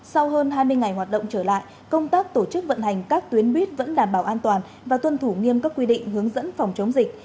sau hơn hai mươi ngày hoạt động trở lại công tác tổ chức vận hành các tuyến buýt vẫn đảm bảo an toàn và tuân thủ nghiêm các quy định hướng dẫn phòng chống dịch